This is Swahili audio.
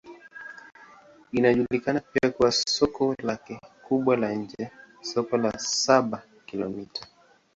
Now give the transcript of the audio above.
Inajulikana pia kwa soko lake kubwa la nje, Soko la Saba-Kilomita.